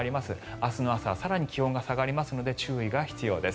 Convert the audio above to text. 明日の朝は更に気温が下がりますので注意が必要です。